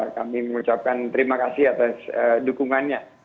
kami mengucapkan terima kasih atas dukungannya